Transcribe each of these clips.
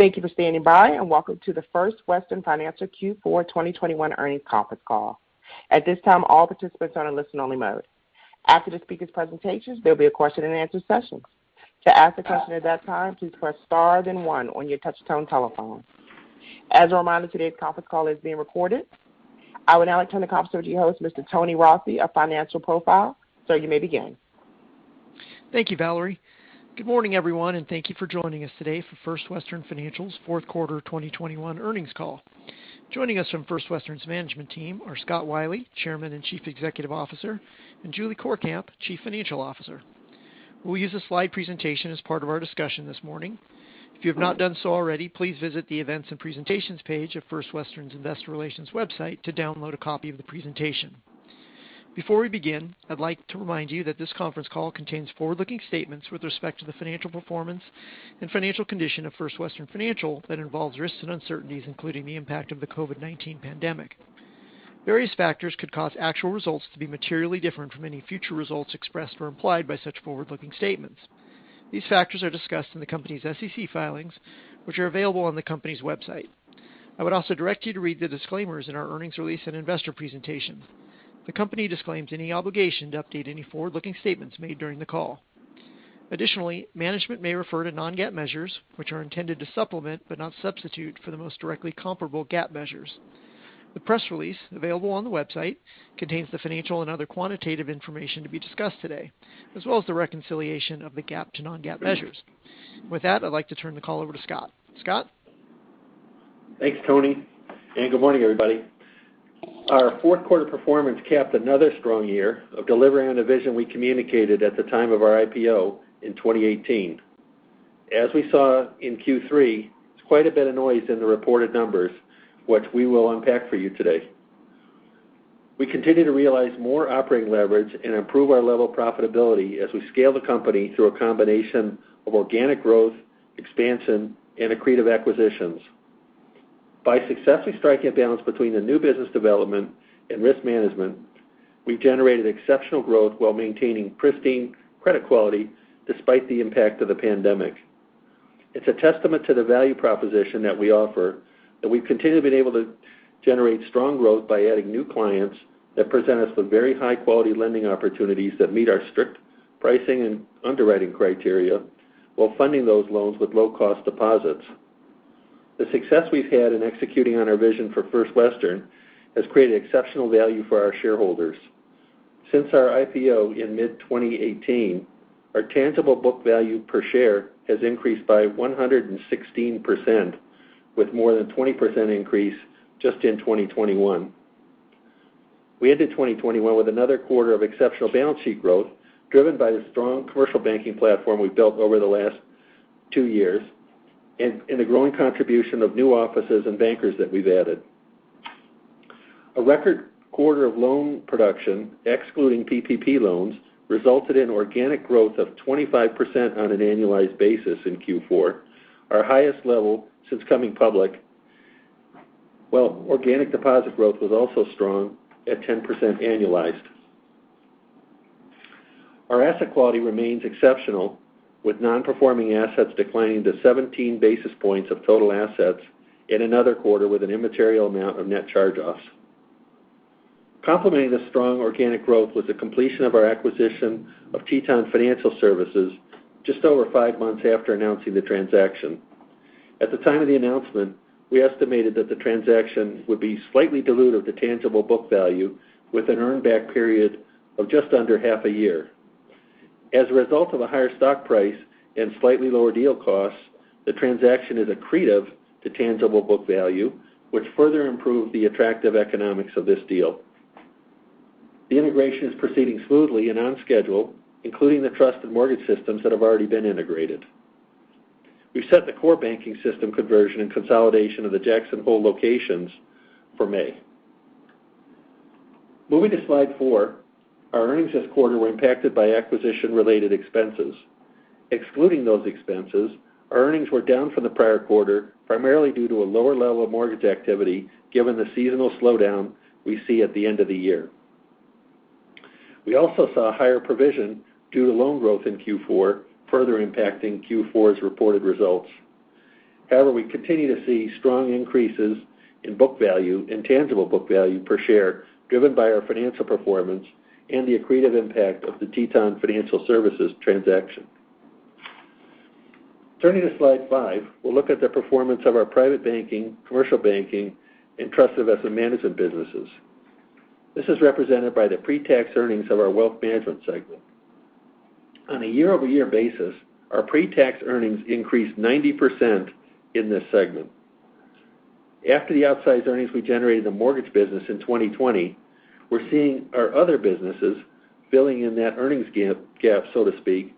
Thank you for standing by, and welcome to the First Western Financial Q4 2021 Earnings Conference Call. At this time, all participants are in listen-only mode. After the speakers' presentations, there'll be a question-and-answer session. To ask a question at that time, please press star then one on your touchtone telephone. As a reminder, today's conference call is being recorded. I would now like to turn the conference over to your host, Mr. Tony Rossi of Financial Profile. Sir, you may begin. Thank you, Valerie. Good morning, everyone, and thank you for joining us today for First Western Financial's Q4 2021 earnings call. Joining us from First Western's management team are Scott Wylie, Chairman and Chief Executive Officer, and Julie Courkamp, Chief Financial Officer. We'll use a slide presentation as part of our discussion this morning. If you have not done so already, please visit the Events and Presentations page of First Western's investor relations website to download a copy of the presentation. Before we begin, I'd like to remind you that this conference call contains forward-looking statements with respect to the financial performance and financial condition of First Western Financial that involves risks and uncertainties, including the impact of the COVID-19 pandemic. Various factors could cause actual results to be materially different from any future results expressed or implied by such forward-looking statements. These factors are discussed in the company's SEC filings, which are available on the company's website. I would also direct you to read the disclaimers in our earnings release and investor presentation. The company disclaims any obligation to update any forward-looking statements made during the call. Additionally, management may refer to non-GAAP measures, which are intended to supplement, but not substitute, for the most directly comparable GAAP measures. The press release available on the website contains the financial and other quantitative information to be discussed today, as well as the reconciliation of the GAAP to non-GAAP measures. With that, I'd like to turn the call over to Scott. Scott? Thanks, Tony, and good morning, everybody. Our Q4 performance capped another strong year of delivering on the vision we communicated at the time of our IPO in 2018. As we saw in Q3, there's quite a bit of noise in the reported numbers, which we will unpack for you today. We continue to realize more operating leverage and improve our level of profitability as we scale the company through a combination of organic growth, expansion and accretive acquisitions. By successfully striking a balance between the new business development and risk management, we've generated exceptional growth while maintaining pristine credit quality despite the impact of the pandemic. It's a testament to the value proposition that we offer that we've continued to be able to generate strong growth by adding new clients that present us with very high-quality lending opportunities that meet our strict pricing and underwriting criteria while funding those loans with low-cost deposits. The success we've had in executing on our vision for First Western has created exceptional value for our shareholders. Since our IPO in mid-2018, our tangible book value per share has increased by 116%, with more than 20% increase just in 2021. We ended 2021 with another quarter of exceptional balance sheet growth, driven by the strong commercial banking platform we've built over the last two years and the growing contribution of new offices and bankers that we've added. A record quarter of loan production, excluding PPP loans, resulted in organic growth of 25% on an annualized basis in Q4, our highest level since coming public, while organic deposit growth was also strong at 10% annualized. Our asset quality remains exceptional, with non-performing assets declining to 17 basis points of total assets in another quarter with an immaterial amount of net charge-offs. Complementing this strong organic growth was the completion of our acquisition of Teton Financial Services just over 5 months after announcing the transaction. At the time of the announcement, we estimated that the transaction would be slightly dilutive to tangible book value with an earn back period of just under half a year. As a result of a higher stock price and slightly lower deal costs, the transaction is accretive to tangible book value, which further improved the attractive economics of this deal. The integration is proceeding smoothly and on schedule, including the trusted mortgage systems that have already been integrated. We've set the core banking system conversion and consolidation of the Jackson Hole locations for May. Moving to slide four, our earnings this quarter were impacted by acquisition-related expenses. Excluding those expenses, our earnings were down from the prior quarter, primarily due to a lower level of mortgage activity given the seasonal slowdown we see at the end of the year. We also saw a higher provision due to loan growth in Q4, further impacting Q4's reported results. However, we continue to see strong increases in book value and tangible book value per share, driven by our financial performance and the accretive impact of the Teton Financial Services transaction. Turning to slide five, we'll look at the performance of our private banking, commercial banking, and trusted asset management businesses. This is represented by the pre-tax earnings of our wealth management segment. On a year-over-year basis, our pre-tax earnings increased 90% in this segment. After the outsized earnings we generated in the mortgage business in 2020, we're seeing our other businesses filling in that earnings gap so to speak,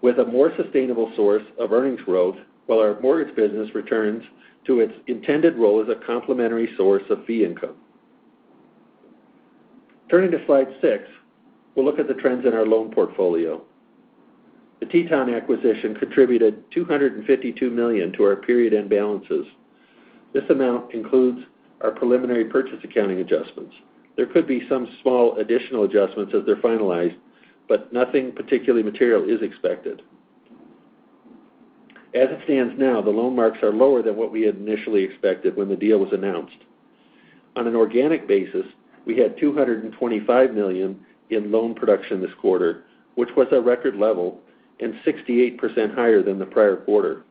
with a more sustainable source of earnings growth while our mortgage business returns to its intended role as a complementary source of fee income. Turning to slide 6, we'll look at the trends in our loan portfolio. The Teton acquisition contributed $252 million to our period-end balances. This amount includes our preliminary purchase accounting adjustments. There could be some small additional adjustments as they're finalized, but nothing particularly material is expected. As it stands now, the loan marks are lower than what we had initially expected when the deal was announced. On an organic basis, we had $225 million in loan production this quarter, which was a record level and 68% higher than the prior quarter.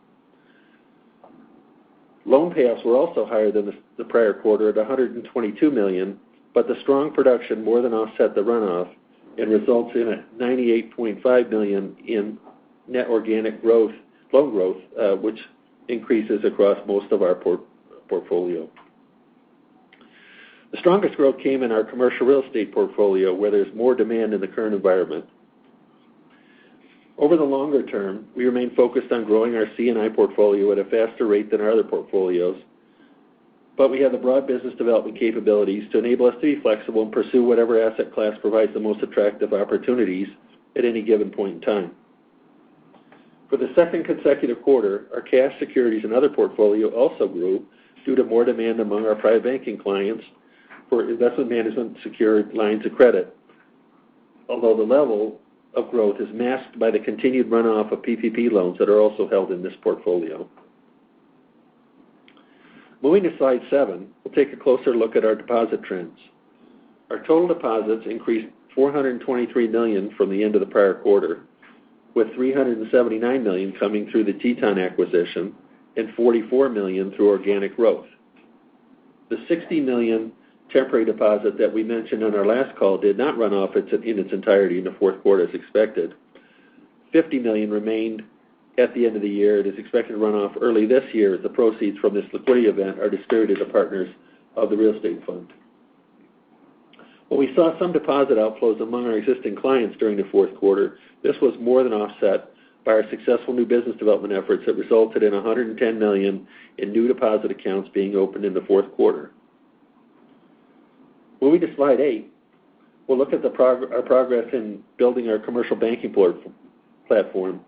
Loan payoffs were also higher than the prior quarter at $122 million, but the strong production more than offset the runoff and results in a $98.5 million in net organic growth, loan growth, which increases across most of our portfolio. The strongest growth came in our commercial real estate portfolio, where there's more demand in the current environment. Over the longer term, we remain focused on growing our C&I portfolio at a faster rate than our other portfolios, but we have the broad business development capabilities to enable us to be flexible and pursue whatever asset class provides the most attractive opportunities at any given point in time. For the second consecutive quarter, our cash securities and other portfolio also grew due to more demand among our private banking clients for investment management secured lines of credit, although the level of growth is masked by the continued runoff of PPP loans that are also held in this portfolio. Moving to slide 7, we'll take a closer look at our deposit trends. Our total deposits increased $423 million from the end of the prior quarter, with $379 million coming through the Teton acquisition and $44 million through organic growth. The $60 million temporary deposit that we mentioned on our last call did not run off in its entirety in the Q4 as expected. $50 million remained at the end of the year and is expected to run off early this year as the proceeds from this liquidity event are distributed to partners of the real estate fund. While we saw some deposit outflows among our existing clients during the Q4, this was more than offset by our successful new business development efforts that resulted in $110 million in new deposit accounts being opened in the Q4. Moving to slide 8, we'll look at our progress in building our commercial banking platform,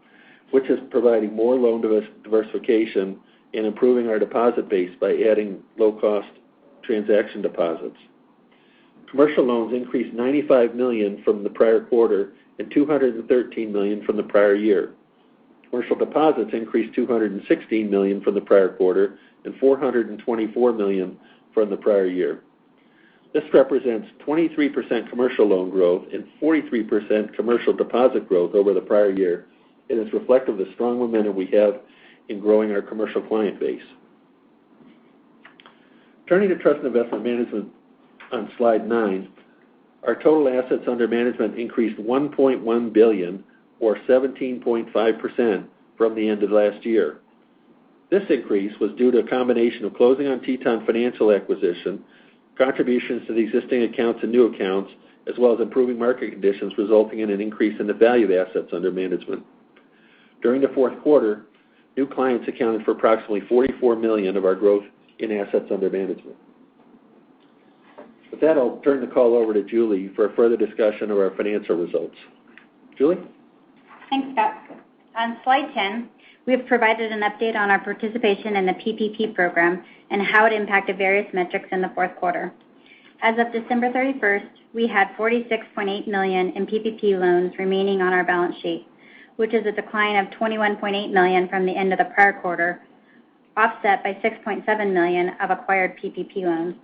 which is providing more loan diversification and improving our deposit base by adding low-cost transaction deposits. Commercial loans increased $95 million from the prior quarter and $213 million from the prior year. Commercial deposits increased $216 million from the prior quarter and $424 million from the prior year. This represents 23% commercial loan growth and 43% commercial deposit growth over the prior year and is reflective of the strong momentum we have in growing our commercial client base. Turning to trust and investment management on slide 9, our total assets under management increased $1.1 billion or 17.5% from the end of last year. This increase was due to a combination of closing on Teton Financial acquisition, contributions to the existing accounts and new accounts, as well as improving market conditions resulting in an increase in the value of assets under management. During the Q4, new clients accounted for approximately $44 million of our growth in assets under management. With that, I'll turn the call over to Julie for a further discussion of our financial results. Julie? Thanks, Scott. On slide 10, we have provided an update on our participation in the PPP program and how it impacted various metrics in the Q4. As of December 31st, we had $46.8 million in PPP loans remaining on our balance sheet, which is a decline of $21.8 million from the end of the prior quarter, offset by $6.7 million of acquired PPP loans.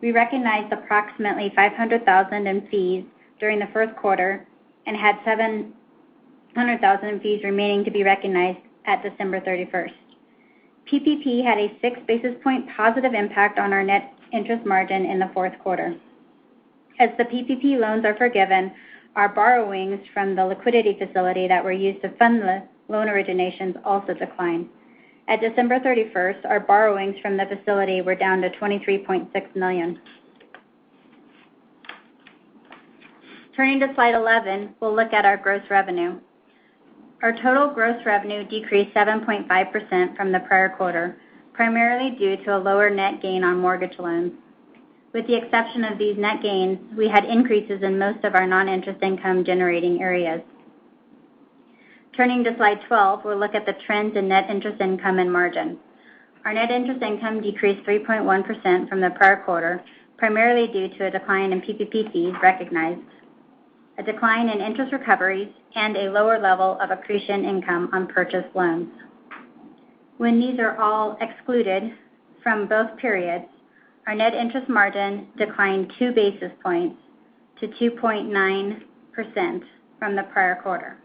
We recognized approximately $500,000 in fees during the Q1 and had $700,000 in fees remaining to be recognized at December 31st. PPP had a 6 basis point positive impact on our net interest margin in the Q4. As the PPP loans are forgiven, our borrowings from the liquidity facility that were used to fund the loan originations also declined. As of December 31st, our borrowings from the facility were down to $23.6 million. Turning to slide 11, we'll look at our gross revenue. Our total gross revenue decreased 7.5% from the prior quarter, primarily due to a lower net gain on mortgage loans. With the exception of these net gains, we had increases in most of our non-interest income generating areas. Turning to slide 12, we'll look at the trends in net interest income and margin. Our net interest income decreased 3.1% from the prior quarter, primarily due to a decline in PPP fees recognized, a decline in interest recovery, and a lower level of accretion income on purchased loans. When these are all excluded from both periods, our net interest margin declined 2 basis points to 2.9% from the prior quarter,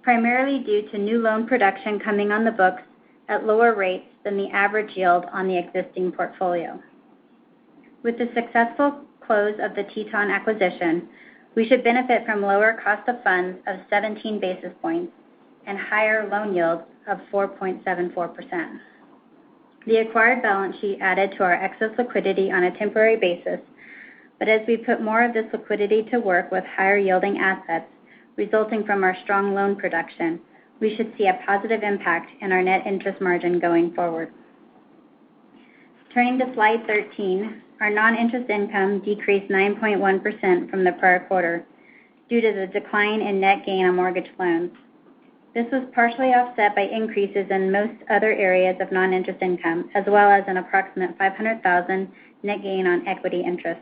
primarily due to new loan production coming on the books at lower rates than the average yield on the existing portfolio. With the successful close of the Teton acquisition, we should benefit from lower cost of funds of 17 basis points and higher loan yields of 4.74%. The acquired balance sheet added to our excess liquidity on a temporary basis, but as we put more of this liquidity to work with higher yielding assets resulting from our strong loan production, we should see a positive impact in our net interest margin going forward. Turning to slide 13, our non-interest income decreased 9.1% from the prior quarter due to the decline in net gain on mortgage loans. This was partially offset by increases in most other areas of non-interest income, as well as an approximate $500,000 net gain on equity interest.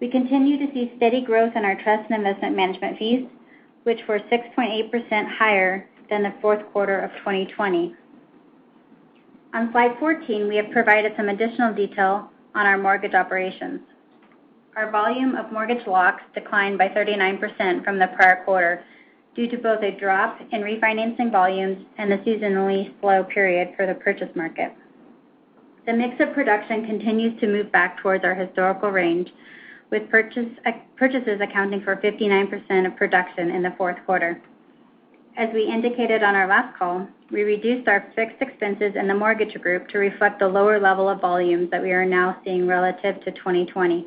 We continue to see steady growth in our trust and investment management fees, which were 6.8% higher than the Q4 of 2020. On slide 14, we have provided some additional detail on our mortgage operations. Our volume of mortgage locks declined by 39% from the prior quarter due to both a drop in refinancing volumes and the seasonally slow period for the purchase market. The mix of production continues to move back towards our historical range, with purchases accounting for 59% of production in the Q4. As we indicated on our last call, we reduced our fixed expenses in the mortgage group to reflect the lower level of volumes that we are now seeing relative to 2020.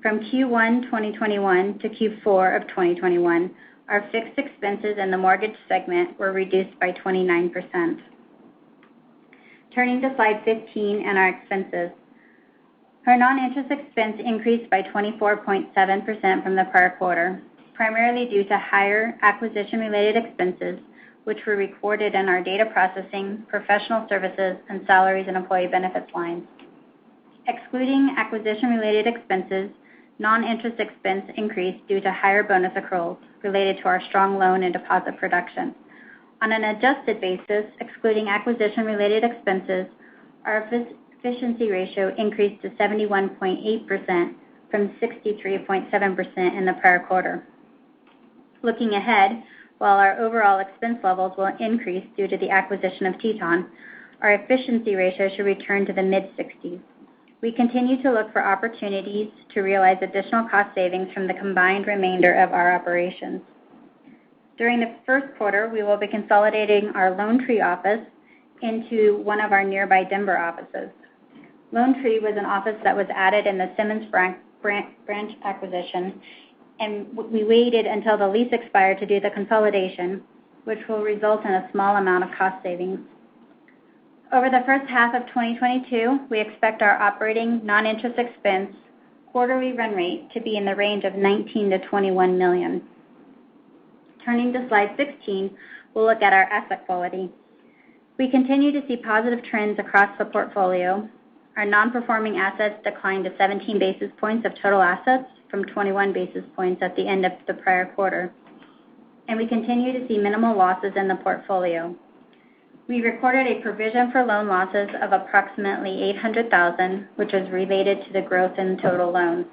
From Q1 2021 to Q4 of 2021, our fixed expenses in the mortgage segment were reduced by 29%. Turning to slide 15 and our expenses. Our non-interest expense increased by 24.7% from the prior quarter, primarily due to higher acquisition-related expenses, which were recorded in our data processing, professional services, and salaries and employee benefits lines. Excluding acquisition-related expenses, non-interest expense increased due to higher bonus accruals related to our strong loan and deposit production. On an adjusted basis, excluding acquisition-related expenses, our efficiency ratio increased to 71.8% from 63.7% in the prior quarter. Looking ahead, while our overall expense levels will increase due to the acquisition of Teton, our efficiency ratio should return to the mid-60s%. We continue to look for opportunities to realize additional cost savings from the combined remainder of our operations. During the Q1, we will be consolidating our Lone Tree office into one of our nearby Denver offices. Lone Tree was an office that was added in the Simmons branch acquisition, and we waited until the lease expired to do the consolidation, which will result in a small amount of cost savings. Over the first half of 2022, we expect our operating non-interest expense quarterly run rate to be in the range of $19 million-$21 million. Turning to slide 16, we'll look at our asset quality. We continue to see positive trends across the portfolio. Our non-performing assets declined to 17 basis points of total assets from 21 basis points at the end of the prior quarter, and we continue to see minimal losses in the portfolio. We recorded a provision for loan losses of approximately $800,000, which was related to the growth in total loans.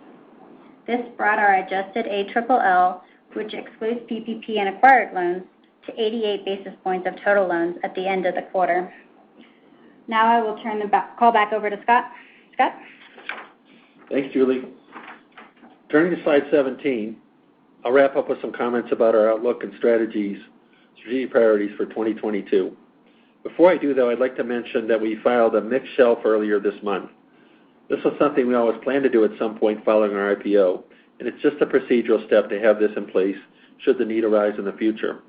This brought our adjusted ALL, which excludes PPP and acquired loans, to 88 basis points of total loans at the end of the quarter. Now I will turn the call back over to Scott. Scott? Thanks, Julie. Turning to slide 17, I'll wrap up with some comments about our outlook and strategies, strategy priorities for 2022. Before I do, though, I'd like to mention that we filed a mixed shelf earlier this month. This was something we always planned to do at some point following our IPO, and it's just a procedural step to have this in place should the need arise in the future.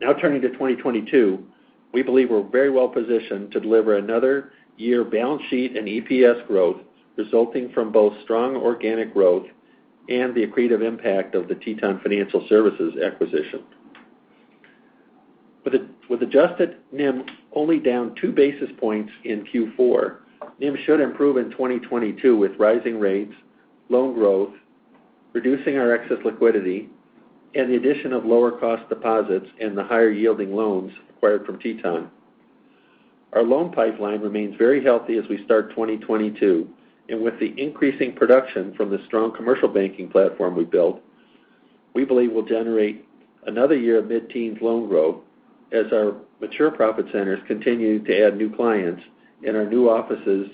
Now turning to 2022, we believe we're very well positioned to deliver another year of balance sheet and EPS growth, resulting from both strong organic growth and the accretive impact of the Teton Financial Services acquisition. With adjusted NIM only down 2 basis points in Q4, NIM should improve in 2022 with rising rates, loan growth, reducing our excess liquidity, and the addition of lower cost deposits and the higher yielding loans acquired from Teton. Our loan pipeline remains very healthy as we start 2022, and with the increasing production from the strong commercial banking platform we built, we believe we'll generate another year of mid-teens loan growth as our mature profit centers continue to add new clients and our new offices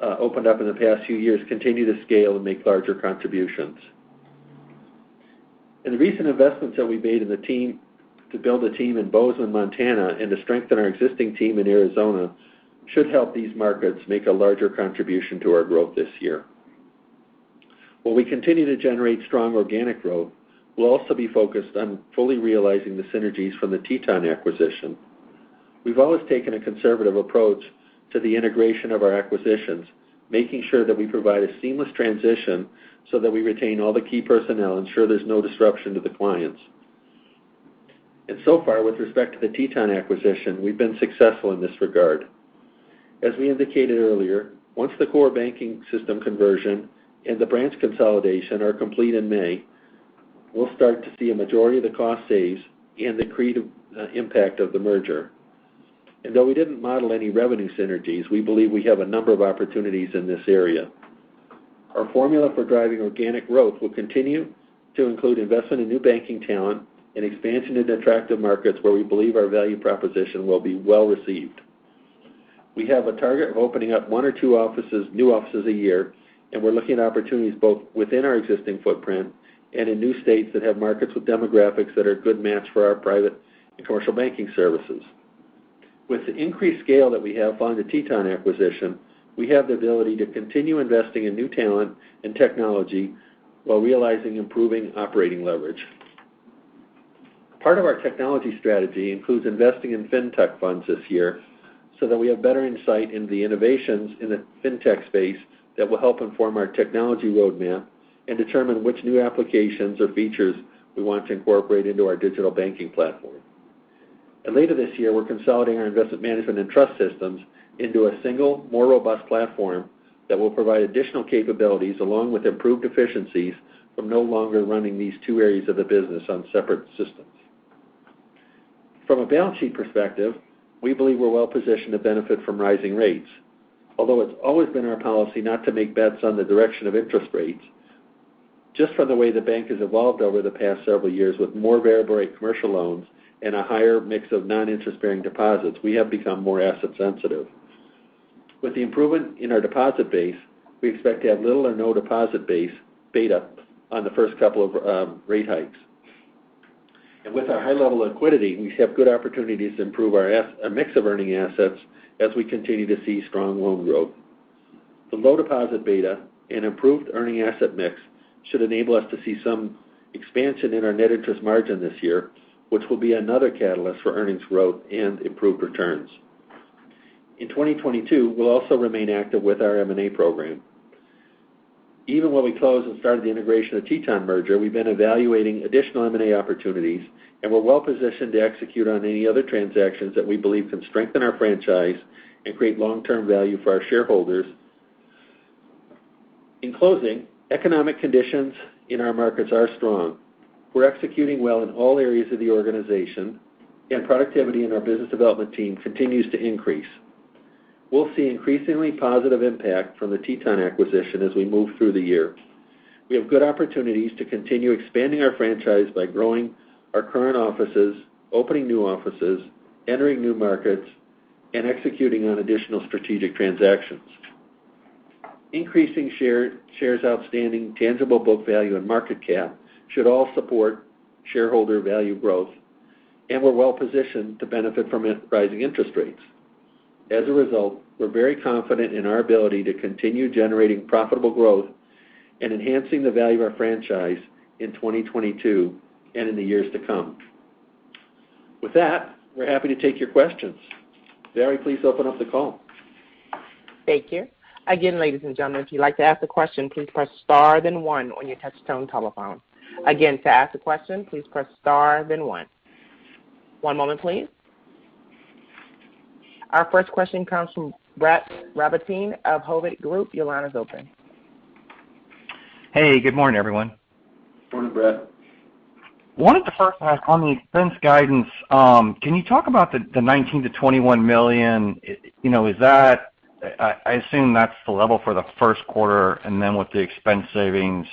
opened up in the past few years continue to scale and make larger contributions. The recent investments that we made in the team to build a team in Bozeman, Montana, and to strengthen our existing team in Arizona should help these markets make a larger contribution to our growth this year. While we continue to generate strong organic growth, we'll also be focused on fully realizing the synergies from the Teton acquisition. We've always taken a conservative approach to the integration of our acquisitions, making sure that we provide a seamless transition so that we retain all the key personnel, ensure there's no disruption to the clients. So far, with respect to the Teton acquisition, we've been successful in this regard. As we indicated earlier, once the core banking system conversion and the branch consolidation are complete in May, we'll start to see a majority of the cost saves and accretive impact of the merger. Though we didn't model any revenue synergies, we believe we have a number of opportunities in this area. Our formula for driving organic growth will continue to include investment in new banking talent and expansion into attractive markets where we believe our value proposition will be well-received. We have a target of opening up one or two offices, new offices a year, and we're looking at opportunities both within our existing footprint and in new states that have markets with demographics that are a good match for our private and commercial banking services. With the increased scale that we have following the Teton acquisition, we have the ability to continue investing in new talent and technology while realizing improving operating leverage. Part of our technology strategy includes investing in fintech funds this year, so that we have better insight into the innovations in the fintech space that will help inform our technology roadmap and determine which new applications or features we want to incorporate into our digital banking platform. Later this year, we're consolidating our investment management and trust systems into a single, more robust platform that will provide additional capabilities along with improved efficiencies from no longer running these two areas of the business on separate systems. From a balance sheet perspective, we believe we're well-positioned to benefit from rising rates. Although it's always been our policy not to make bets on the direction of interest rates, just from the way the bank has evolved over the past several years with more variable-rate commercial loans and a higher mix of non-interest-bearing deposits, we have become more asset sensitive. With the improvement in our deposit base, we expect to have little or no deposit beta on the first couple of rate hikes. With our high level of liquidity, we have good opportunities to improve our mix of earning assets as we continue to see strong loan growth. The low deposit beta and improved earning asset mix should enable us to see some expansion in our net interest margin this year, which will be another catalyst for earnings growth and improved returns. In 2022, we'll also remain active with our M&A program. Even when we closed and started the integration of Teton merger, we've been evaluating additional M&A opportunities, and we're well-positioned to execute on any other transactions that we believe can strengthen our franchise and create long-term value for our shareholders. In closing, economic conditions in our markets are strong. We're executing well in all areas of the organization, and productivity in our business development team continues to increase. We'll see increasingly positive impact from the Teton acquisition as we move through the year. We have good opportunities to continue expanding our franchise by growing our current offices, opening new offices, entering new markets, and executing on additional strategic transactions. Increasing shares outstanding, tangible book value, and market cap should all support shareholder value growth, and we're well-positioned to benefit from increasing interest rates. As a result, we're very confident in our ability to continue generating profitable growth and enhancing the value of our franchise in 2022 and in the years to come. With that, we're happy to take your questions. Valerie, please open up the call. Thank you. Again, ladies and gentlemen, if you'd like to ask a question, please press star then one on your touchtone telephone. Again, to ask a question, please press star then one. One moment please. Our first question comes from Brett Rabatin of Hovde Group. Your line is open. Hey, good morning, everyone. Morning, Brett. Wanted to first ask on the expense guidance, can you talk about the $19-$21 million? You know, is that—I assume that's the level for the Q1, and then with the expense savings,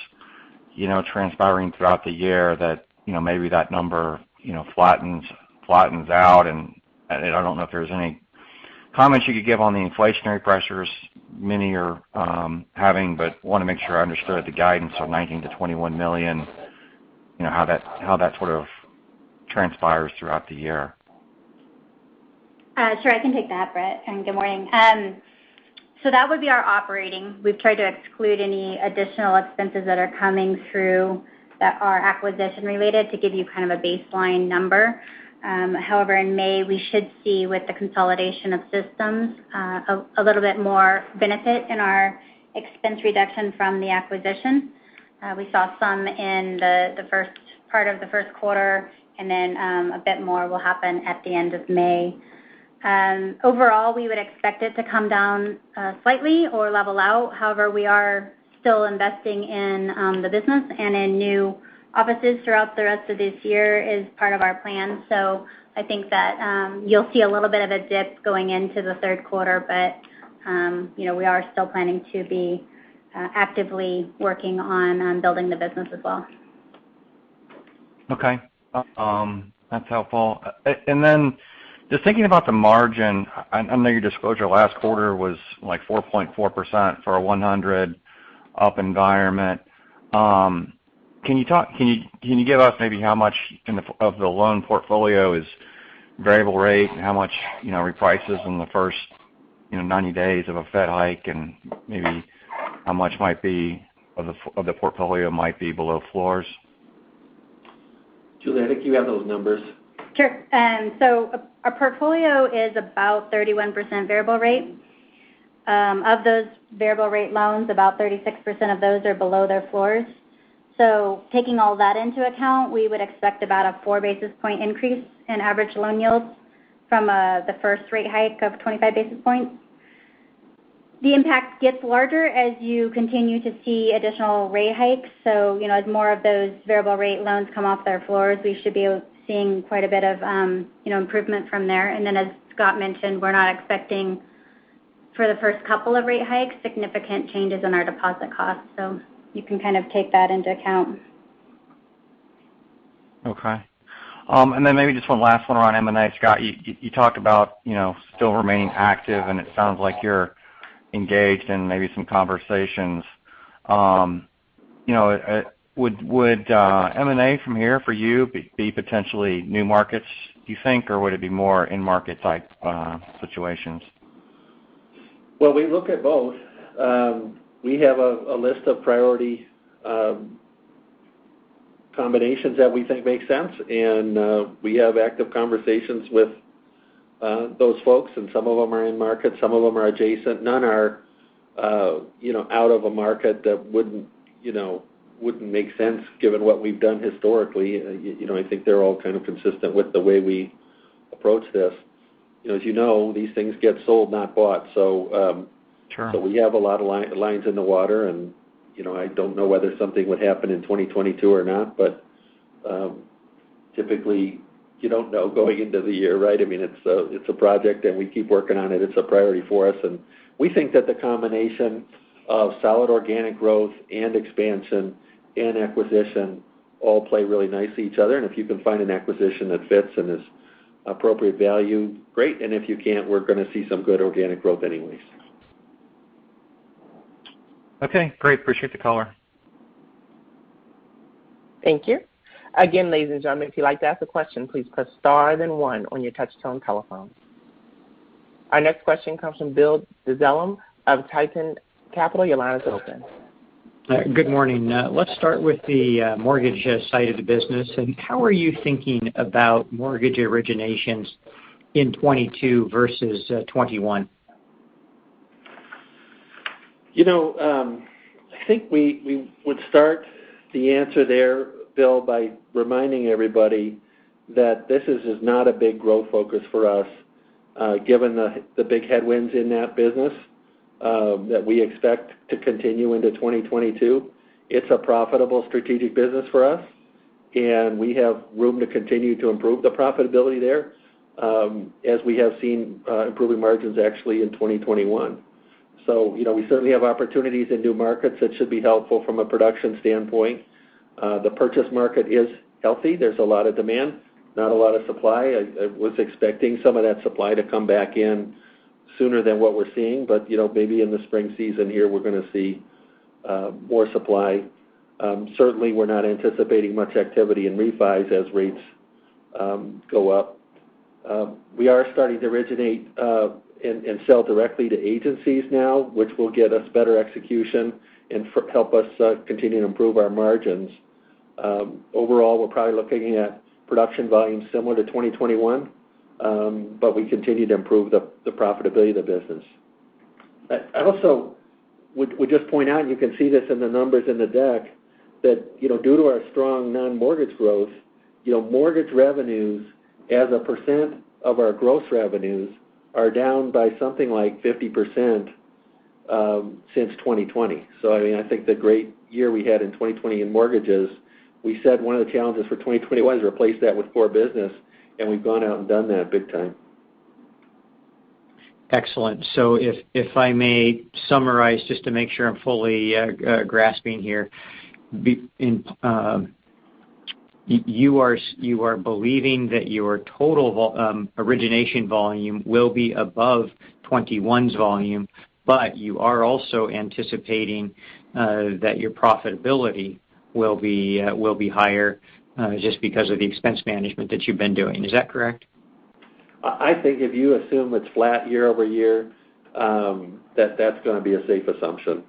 you know, transpiring throughout the year that, you know, maybe that number, you know, flattens out. I don't know if there's any comments you could give on the inflationary pressures many are having, but wanna make sure I understood the guidance of $19 million-$21 million, you know, how that sort of transpires throughout the year. Sure. I can take that, Brett, and good morning. So that would be our operating. We've tried to exclude any additional expenses that are coming through that are acquisition related to give you kind of a baseline number. However, in May, we should see, with the consolidation of systems, a little bit more benefit in our expense reduction from the acquisition. We saw some in the first part of the Q1, and then a bit more will happen at the end of May. Overall, we would expect it to come down slightly or level out. However, we are still investing in the business and in new offices throughout the rest of this year is part of our plan. I think that you'll see a little bit of a dip going into the Q3, but you know, we are still planning to be actively working on building the business as well. Okay. That's helpful. Just thinking about the margin, I know you disclosed your last quarter was, like, 4.4% for a 100 up environment. Can you give us maybe how much of the loan portfolio is variable rate and how much, you know, reprices in the first, you know, 90 days of a Fed hike and maybe how much of the portfolio might be below floors? Julie, I think you have those numbers. Sure. Our portfolio is about 31% variable rate. Of those variable rate loans, about 36% of those are below their floors. Taking all that into account, we would expect about a 4 basis point increase in average loan yields from the first rate hike of 25 basis points. The impact gets larger as you continue to see additional rate hikes. You know, as more of those variable rate loans come off their floors, we should be seeing quite a bit of improvement from there. Then as Scott mentioned, we're not expecting for the first couple of rate hikes significant changes in our deposit costs. You can kind of take that into account. Okay. Maybe just one last one around M&A. Scott, you talked about, you know, still remaining active, and it sounds like you're engaged in maybe some conversations. You know, would M&A from here for you be potentially new markets do you think, or would it be more in-market type situations? Well, we look at both. We have a list of priority combinations that we think make sense, and we have active conversations with those folks, and some of them are in market, some of them are adjacent. None are you know, out of a market that wouldn't make sense given what we've done historically. You know, I think they're all kind of consistent with the way we approach this. You know, as you know, these things get sold, not bought. Sure We have a lot of lines in the water and, you know, I don't know whether something would happen in 2022 or not. Typically, you don't know going into the year, right? I mean, it's a project, and we keep working on it. It's a priority for us. We think that the combination of solid organic growth and expansion and acquisition all play really nicely each other. If you can find an acquisition that fits and is appropriate value, great. If you can't, we're gonna see some good organic growth anyways. Okay, great. Appreciate the Scott. Thank you. Again, ladies and gentlemen, if you'd like to ask a question, please press star then one on your touchtone telephone. Our next question comes from Bill Dezellem of Titan Capital. Your line is open. Good morning. Let's start with the mortgage side of the business. How are you thinking about mortgage originations in 2022 versus 2021? You know, I think we would start the answer there, Bill, by reminding everybody that this is not a big growth focus for us, given the big headwinds in that business, that we expect to continue into 2022. It's a profitable strategic business for us, and we have room to continue to improve the profitability there, as we have seen, improving margins actually in 2021. You know, we certainly have opportunities in new markets that should be helpful from a production standpoint. The purchase market is healthy. There's a lot of demand, not a lot of supply. I was expecting some of that supply to come back in sooner than what we're seeing, but you know, maybe in the spring season here, we're gonna see more supply. Certainly we're not anticipating much activity in refis as rates go up. We are starting to originate and sell directly to agencies now, which will get us better execution and help us continue to improve our margins. Overall, we're probably looking at production volumes similar to 2021, but we continue to improve the profitability of the business. I also would just point out, you can see this in the numbers in the deck that, you know, due to our strong non-mortgage growth, you know, mortgage revenues as a percent of our gross revenues are down by something like 50%, since 2020. So, I think the great year we had in 2020 in mortgages, we said one of the challenges for 2021 is replace that with core business, and we've gone out and done that big time. Excellent. If I may summarize just to make sure I'm fully grasping here. You are believing that your total origination volume will be above 2021's volume, but you are also anticipating that your profitability will be higher just because of the expense management that you've been doing. Is that correct? I think if you assume it's flat year-over-year, that that's gonna be a safe assumption.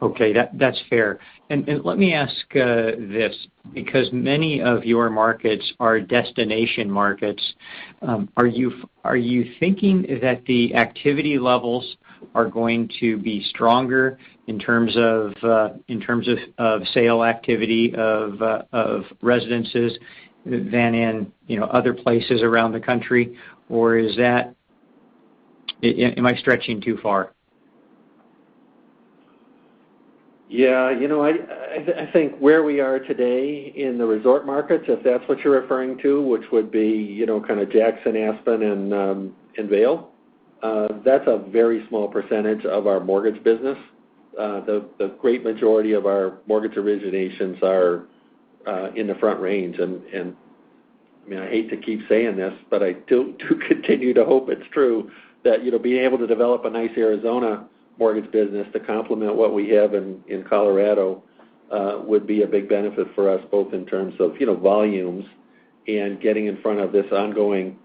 Okay. That's fair. Let me ask this because many of your markets are destination markets. Are you thinking that the activity levels are going to be stronger in terms of sales activity of residences than in, you know, other places around the country? Is that? Am I stretching too far? Yeah. You know, I think where we are today in the resort markets, if that's what you're referring to, which would be, you know, kind of Jackson, Aspen, and Vail, that's a very small percentage of our mortgage business. The great majority of our mortgage originations are in the Front Range. I mean, I hate to keep saying this, but I do continue to hope it's true that, you know, being able to develop a nice Arizona mortgage business to complement what we have in Colorado would be a big benefit for us both in terms of, you know, volumes and getting in front of this ongoing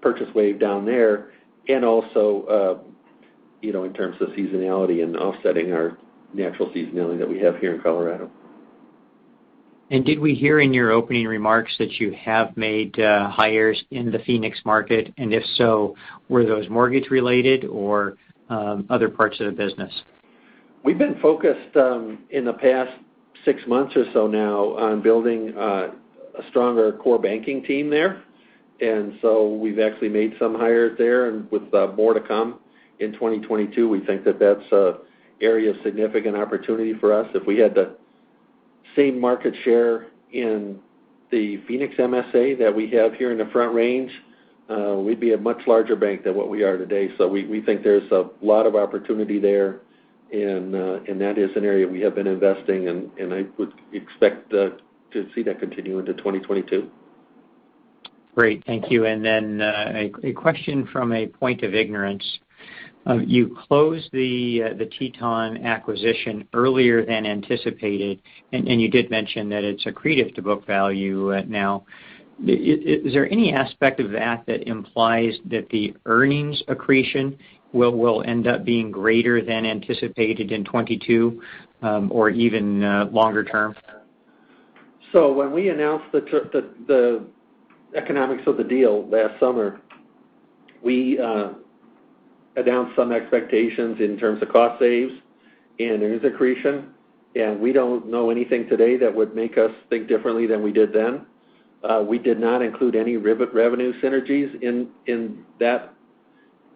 purchase wave down there and also, you know, in terms of seasonality and offsetting our natural seasonality that we have here in Colorado. Did we hear in your opening remarks that you have made hires in the Phoenix market? If so, were those mortgage related or other parts of the business? We've been focused in the past six months or so now on building a stronger core banking team there. We've actually made some hires there and with more to come in 2022. We think that that's an area of significant opportunity for us. If we had the same market share in the Phoenix MSA that we have here in the Front Range, we'd be a much larger bank than what we are today. We think there's a lot of opportunity there, and that is an area we have been investing in, and I would expect to see that continue into 2022. Great. Thank you. A question from a point of ignorance. You closed the Teton acquisition earlier than anticipated, and you did mention that it's accretive to book value now. Is there any aspect of that that implies that the earnings accretion will end up being greater than anticipated in 2022, or even longer term? When we announced the economics of the deal last summer, we announced some expectations in terms of cost saves and earnings accretion, and we don't know anything today that would make us think differently than we did then. We did not include any revenue synergies in that.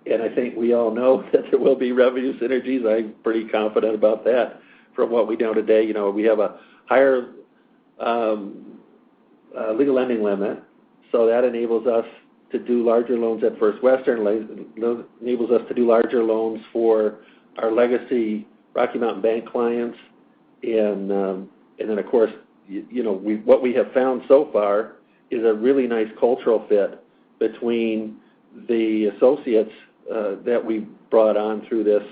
I think we all know that there will be revenue synergies. I'm pretty confident about that. From what we know today, we have a higher legal lending limit, so that enables us to do larger loans at First Western for our legacy Rocky Mountain Bank clients. Of course, what we have found so far is a really nice cultural fit between the associates that we brought on through this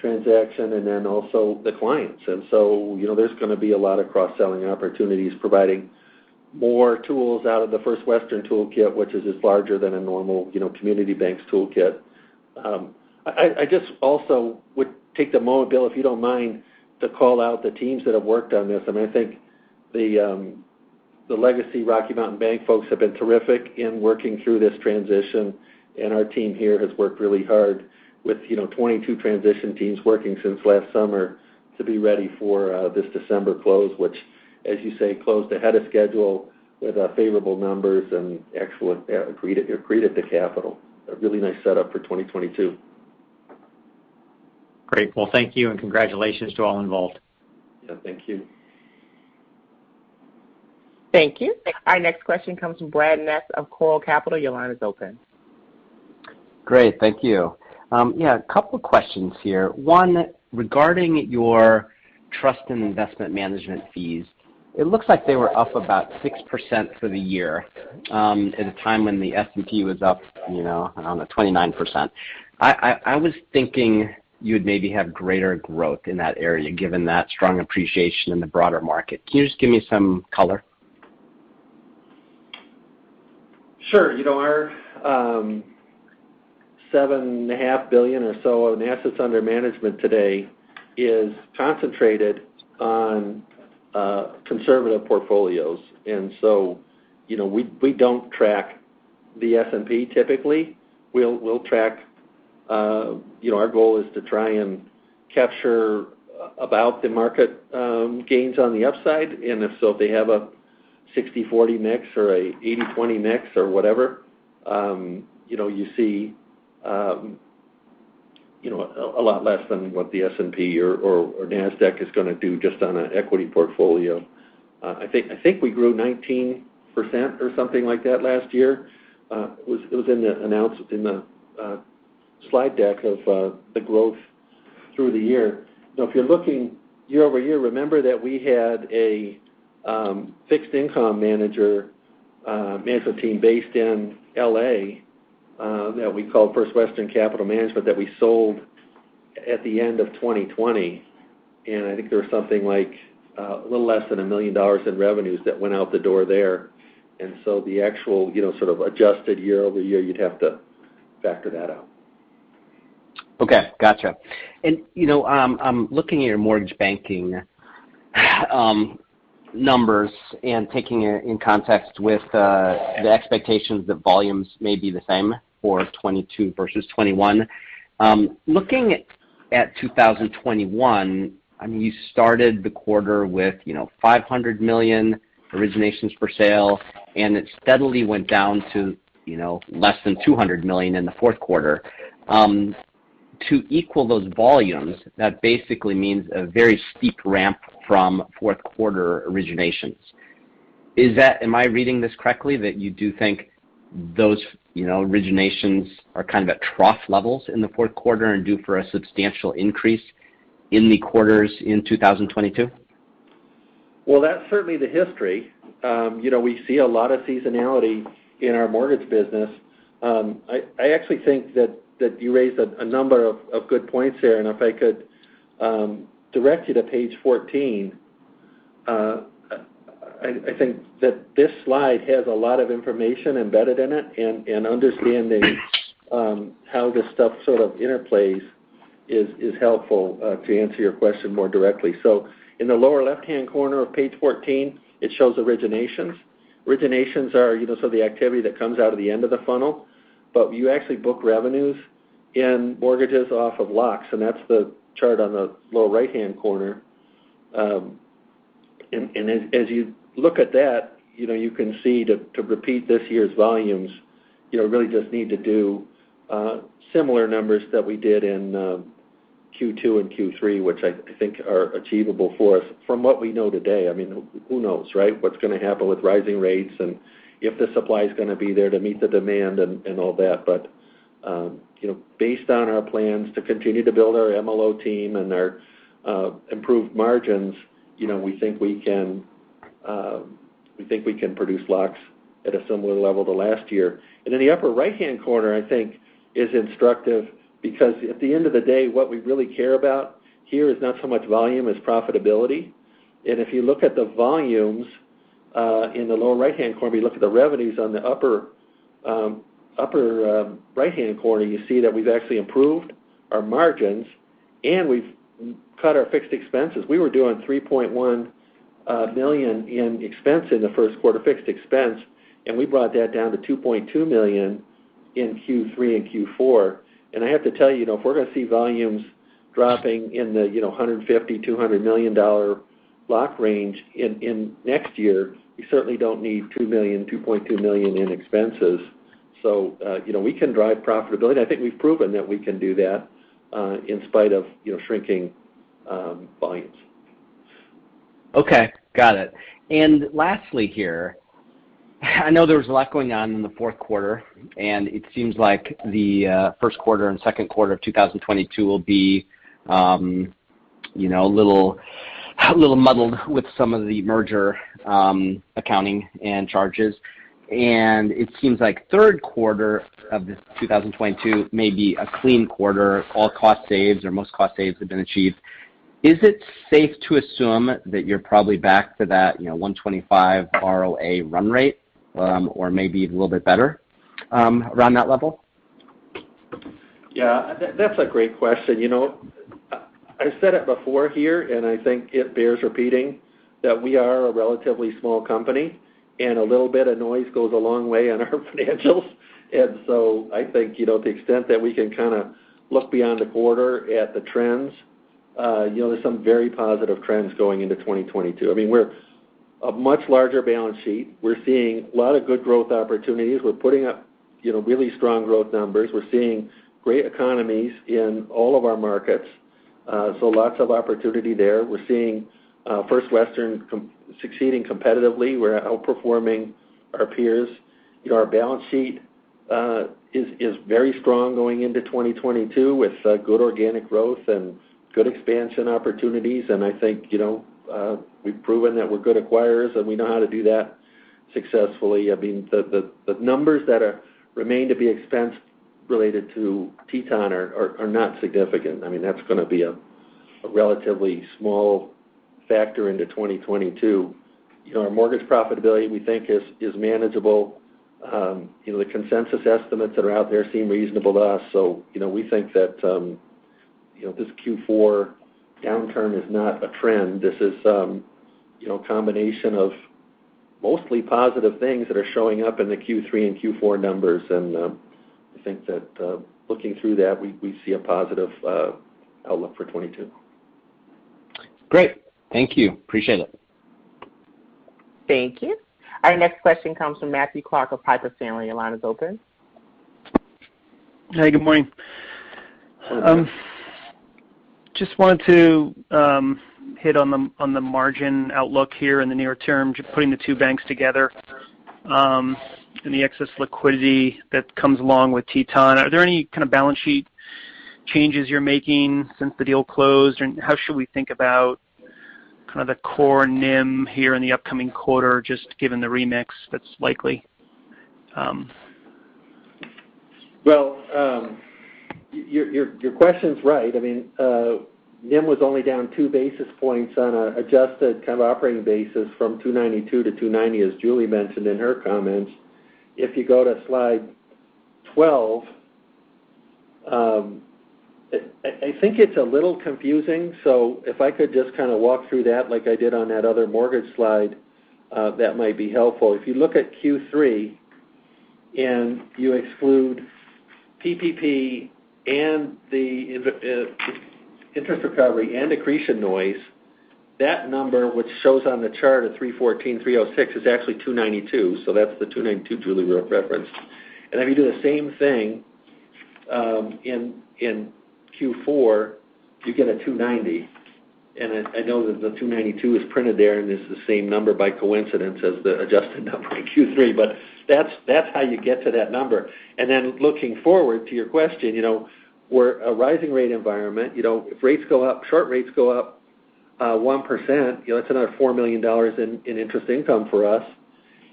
transaction and then also the clients. You know, there's gonna be a lot of cross-selling opportunities, providing more tools out of the First Western toolkit, which is just larger than a normal, you know, community bank's toolkit. I just also would take the moment, Bill, if you don't mind, to call out the teams that have worked on this. And, I think the legacy Rocky Mountain Bank folks have been terrific in working through this transition, and our team here has worked really hard with, you know, 22 transition teams working since last summer to be ready for this December close, which, as you say, closed ahead of schedule with favorable numbers and excellent accretive to capital. A really nice setup for 2022. Great. Well, thank you, and congratulations to all involved. Yeah, thank you. Thank you. Our next question comes from Bradley Ness of LPL Financial. Your line is open. Great. Thank you. Yeah, a couple questions here. One, regarding your trust and investment management fees, it looks like they were up about 6% for the year, at a time when the S&P was up, you know, around 29%. I was thinking you'd maybe have greater growth in that area, given that strong appreciation in the broader market. Can you just give me some color? Sure. You know, our $7.5 billion or so in assets under management today is concentrated on conservative portfolios. You know, we don't track the S&P typically. We'll track you know, our goal is to try and capture about the market gains on the upside. If they have a 60/40 mix or a 80/20 mix or whatever, you know, you see a lot less than what the S&P or Nasdaq is gonna do just on an equity portfolio. I think we grew 19% or something like that last year. It was in the slide deck of the growth through the year. Now if you're looking year-over-year, remember that we had a fixed income management team based in L.A. that we call First Western Capital Management that we sold at the end of 2020. I think there was something like a little less than $1 million in revenues that went out the door there. The actual, you know, sort of adjusted year-over-year, you'd have to factor that out. Okay. Gotcha. You know, looking at your mortgage banking numbers and taking it in context with the expectations that volumes may be the same for 2022 versus 2021. Looking at 2021, I mean, you started the quarter with, you know, $500 million originations for sale, and it steadily went down to, you know, less than $200 million in the Q4. To equal those volumes, that basically means a very steep ramp from Q4 originations. Am I reading this correctly that you do think those, you know, originations are kind of at trough levels in the Q4 and due for a substantial increase in the quarters in 2022? Well, that's certainly the history. You know, we see a lot of seasonality in our mortgage business. I actually think that you raised a number of good points here, and if I could direct you to page 14. I think that this slide has a lot of information embedded in it and understanding how this stuff sort of interplays is helpful to answer your question more directly. In the lower left-hand corner of page 14, it shows originations. Originations are, you know, so the activity that comes out of the end of the funnel. But you actually book revenues and mortgages off of locks, and that's the chart on the lower right-hand corner. As you look at that, you know, you can see to repeat this year's volumes, you know, really just need to do similar numbers that we did in Q2 and Q3, which I think are achievable for us from what we know today. I mean, who knows, right? What's gonna happen with rising rates, and if the supply's gonna be there to meet the demand and all that. You know, based on our plans to continue to build our MLO team and our improved margins, you know, we think we can produce locks at a similar level to last year. In the upper right-hand corner, I think is instructive because at the end of the day, what we really care about here is not so much volume as profitability. If you look at the volumes in the lower right-hand corner, you look at the revenues on the upper right-hand corner, you see that we've actually improved our margins and we've cut our fixed expenses. We were doing $3.1 million in expenses in the Q1, and we brought that down to $2.2 million in Q3 and Q4. I have to tell you know, if we're gonna see volumes dropping in the 150-200 million dollar loan range in next year, we certainly don't need $2.2 million in expenses. You know, we can drive profitability, and I think we've proven that we can do that in spite of you know, shrinking volumes. Okay, got it. Lastly here, I know there was a lot going on in the Q4, and it seems like the Q1 and Q2 of 2022 will be, you know, a little muddled with some of the merger accounting and charges. It seems like Q3 of this 2022 may be a clean quarter. All cost savings or most cost savings have been achieved. Is it safe to assume that you're probably back to that, you know, 1.25 ROA run rate, or maybe a little bit better, around that level? Yeah. That's a great question. You know, I've said it before here, and I think it bears repeating that we are a relatively small company, and a little bit of noise goes a long way on our financials. I think, you know, to the extent that we can kind of look beyond the quarter at the trends, you know, there's some very positive trends going into 2022. I mean, we're a much larger balance sheet. We're seeing a lot of good growth opportunities. We're putting up, you know, really strong growth numbers. We're seeing great economies in all of our markets, so lots of opportunity there. We're seeing First Western succeeding competitively. We're outperforming our peers. You know, our balance sheet is very strong going into 2022 with good organic growth and good expansion opportunities. I think, you know, we've proven that we're good acquirers, and we know how to do that successfully. I mean, the numbers that remain to be expensed related to Teton are not significant. I mean, that's gonna be a relatively small factor into 2022. You know, our mortgage profitability, we think is manageable. You know, the consensus estimates that are out there seem reasonable to us. You know, we think that this Q4 downturn is not a trend. This is a combination of mostly positive things that are showing up in the Q3 and Q4 numbers. I think that looking through that, we see a positive outlook for 2022. Great. Thank you. Appreciate it. Thank you. Our next question comes from Matthew Clark of Piper Sandler. Your line is open. Hey, good morning. Just wanted to hit on the margin outlook here in the near term, just putting the two banks together, and the excess liquidity that comes along with Teton. Are there any kind of balance sheet changes you're making since the deal closed? How should we think about kind of the core NIM here in the upcoming quarter, just given the remix that's likely? Well, your question's right. I mean, NIM was only down 2 basis points on an adjusted kind of operating basis from 2.92 to 2.90, as Julie mentioned in her comments. If you go to slide 12, I think it's a little confusing, so if I could just kind of walk through that like I did on that other mortgage slide, that might be helpful. If you look at Q3 and you exclude PPP and the interest recovery and accretion noise, that number which shows on the chart of 3.14, 3.06 is actually 2.92, so that's the 2.92 Julie referenced. If you do the same thing in Q4, you get a 2.90. I know that the 2.92 is printed there, and it's the same number by coincidence as the adjusted number in Q3. But that's how you get to that number. Then looking forward to your question, you know, we're in a rising rate environment. You know, if rates go up, short rates go up 1%, you know, that's another $4 million in interest income for us.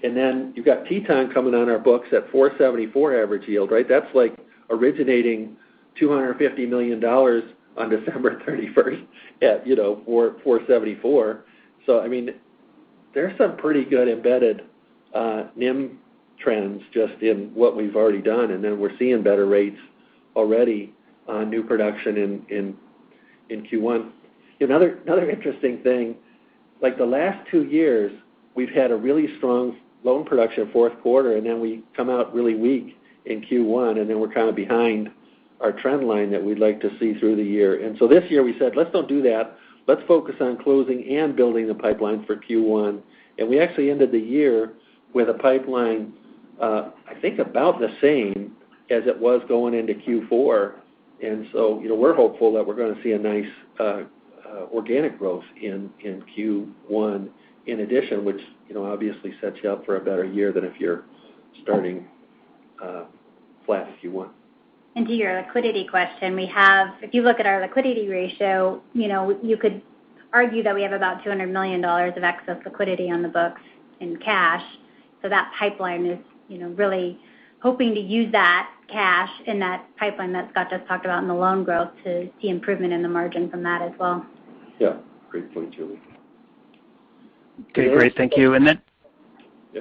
Then you've got Teton coming on our books at 4.74 average yield, right? That's like originating $250 million on December 31 at, you know, 4.74. I mean, there's some pretty good embedded NIM trends just in what we've already done, and then we're seeing better rates already on new production in Q1. Another interesting thing, like the last two years, we've had a really strong loan production Q4, and then we come out really weak in Q1, and then we're kind of behind our trend line that we'd like to see through the year. This year we said, "Let's don't do that. Let's focus on closing and building the pipeline for Q1." We actually ended the year with a pipeline, I think about the same as it was going into Q4. You know, we're hopeful that we're gonna see a nice organic growth in Q1 in addition, which, you know, obviously sets you up for a better year than if you're starting flat, if you would. To your liquidity question, we have, if you look at our liquidity ratio, you know, you could argue that we have about $200 million of excess liquidity on the books in cash. That pipeline is, you know, really hoping to use that cash in that pipeline that Scott just talked about in the loan growth to see improvement in the margin from that as well. Yeah. Great point, Julie. Okay, great. Thank you.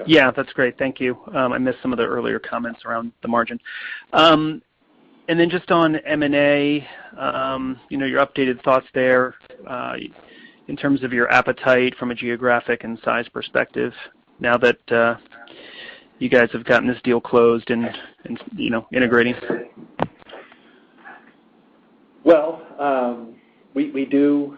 Yeah, that's great. Thank you. I missed some of the earlier comments around the margin. Just on M&A, you know, your updated thoughts there, in terms of your appetite from a geographic and size perspective now that you guys have gotten this deal closed and, you know, integrating. Well, we do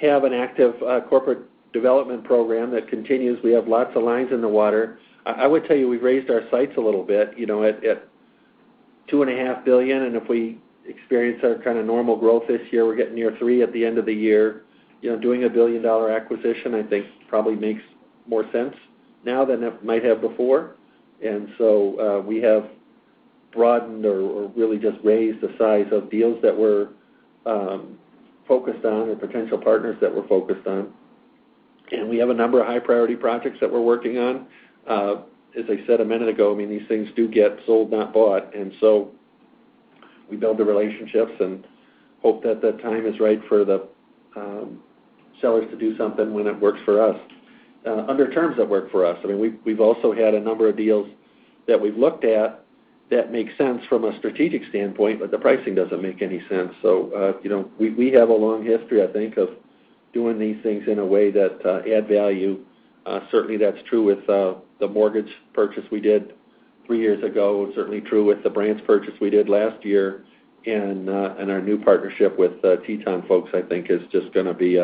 have an active corporate development program that continues. We have lots of lines in the water. I would tell you we've raised our sights a little bit, you know, at $2.5 billion, and if we experience our kind of normal growth this year, we're getting near $3 billion at the end of the year. You know, doing a billion-dollar acquisition, I think, probably makes more sense now than it might have before. We have broadened or really just raised the size of deals that we're focused on or potential partners that we're focused on. We have a number of high priority projects that we're working on. As I said a minute ago, I mean, these things do get sold, not bought. We build the relationships and hope that the time is right for the sellers to do something when it works for us under terms that work for us. I mean, we've also had a number of deals that we've looked at that make sense from a strategic standpoint, but the pricing doesn't make any sense. You know, we have a long history, I think, of doing these things in a way that add value. Certainly, that's true with the mortgage purchase we did three years ago. It's certainly true with the branch purchase we did last year. Our new partnership with the Teton folks, I think is just gonna be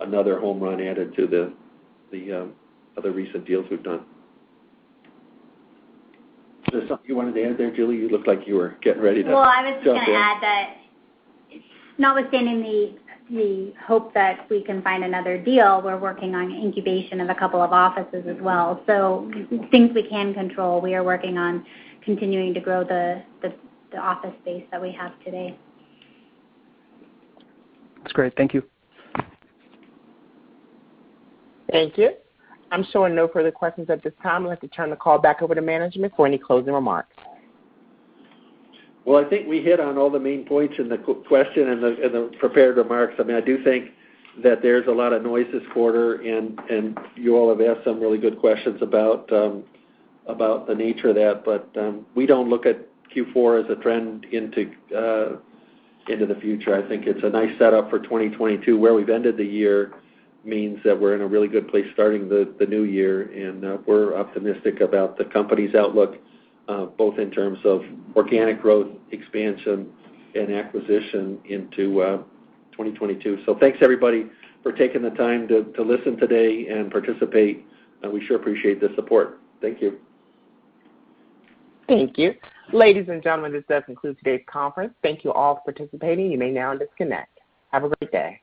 another home run added to the other recent deals we've done. Is there something you wanted to add there, Julie? You looked like you were getting ready to jump in. Well, I was just gonna add that notwithstanding the hope that we can find another deal, we're working on incubation of a couple of offices as well. Things we can control, we are working on continuing to grow the office space that we have today. That's great. Thank you. Thank you. I'm showing no further questions at this time. I'd like to turn the call back over to management for any closing remarks. Well, I think we hit on all the main points in the question and the prepared remarks. I mean, I do think that there's a lot of noise this quarter, and you all have asked some really good questions about the nature of that. We don't look at Q4 as a trend into the future. I think it's a nice setup for 2022. Where we've ended the year means that we're in a really good place starting the new year, and we're optimistic about the company's outlook, both in terms of organic growth, expansion, and acquisition into 2022. Thanks, everybody, for taking the time to listen today and participate. We sure appreciate the support. Thank you. Thank you. Ladies and gentlemen, this does conclude today's conference. Thank you all for participating. You may now disconnect. Have a great day.